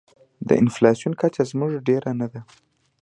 د انفلاسیون کچه زموږ ډېره نه ده.